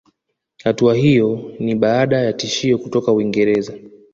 Hatua iyo ni baada ya tishio kutoka Uingereza